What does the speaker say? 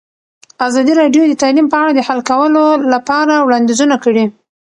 ازادي راډیو د تعلیم په اړه د حل کولو لپاره وړاندیزونه کړي.